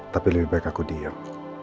tapi lebih baik aku diem